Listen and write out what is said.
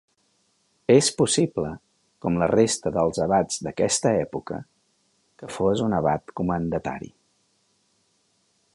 És possible, com la resta dels abats d'aquesta època, que fos un abat comendatari.